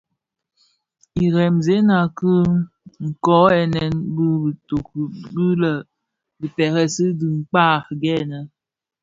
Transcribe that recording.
Jremzèna ki kōghènè bi bitoki bi lè dhi pèrèsi dhi dhikpag gèènë.